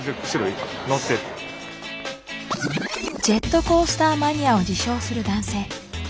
ジェットコースターマニアを自称する男性。